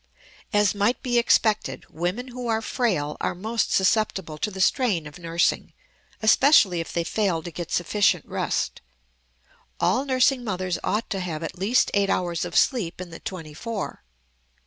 As might be expected, women who are frail are most susceptible to the strain of nursing, especially if they fail to get sufficient rest. All nursing mothers ought to have at least eight hours of sleep in the twenty four.